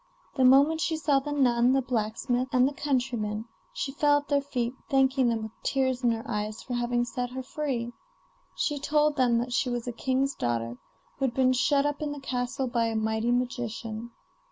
The moment she saw the nun, the blacksmith, and the countryman, she fell at their feet, thanking them with tears in her eyes for having set her free. She told them that she was a king's daughter, who had been shut up in the castle by a mighty magician.